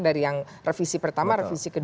dari yang revisi pertama revisi kedua